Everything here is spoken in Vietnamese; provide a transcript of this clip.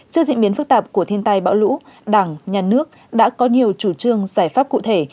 trước diễn biến phức tạp của thiên tai bão lũ đảng nhà nước đã có nhiều chủ trương giải pháp cụ thể